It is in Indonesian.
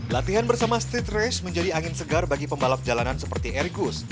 latihan bersama street race menjadi angin segar bagi pembalap jalanan seperti ergus